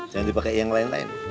jangan dipakai yang lain lain